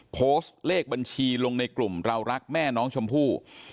โพสต์เลขบัญชีลงในกลุ่มเรารักแม่น้องชมพู่